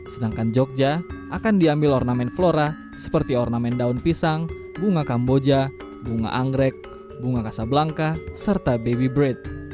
sedangkan jogja akan diambil ornamen flora seperti ornamen daun pisang bunga kamboja bunga anggrek bunga kasablangka serta baby bread